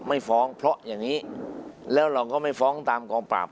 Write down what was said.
ไม่ฟ้องเพราะอย่างนี้แล้วเราก็ไม่ฟ้องตามกองปราบ